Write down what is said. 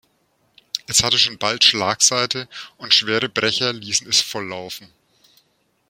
Es hatte schon bald Schlagseite, und schwere Brecher ließen es volllaufen.